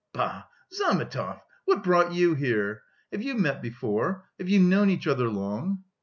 Bah! Zametov, what brought you here? Have you met before? Have you known each other long?"